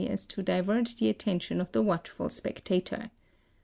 86 ésa° THEFT as to divert the attention of the watchful spectator.